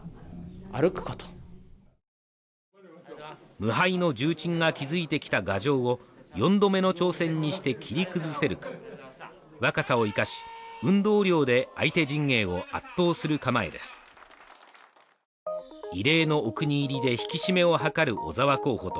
無敗の重鎮が築いてきた牙城を４度目の挑戦にして切り崩せるか若さを生かし運動量で相手陣営を圧倒する構えです異例のお気に入りで引き締めを図る小沢候補と